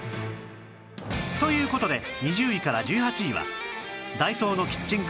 という事で２０位から１８位はダイソーのキッチングッズ